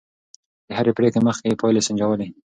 د هرې پرېکړې مخکې يې پايلې سنجولې.